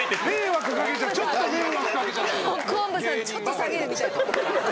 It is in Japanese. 録音部さんちょっと下げるみたいな。